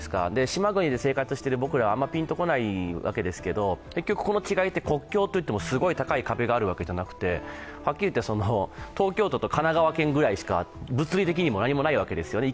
島国で生活している僕らはあまりピンとこないわけですが結局、この違いって国境っていってもすごい高い壁があるわけでもなくてはっきりいって、東京都と神奈川県くらいしか、何もないわけですよね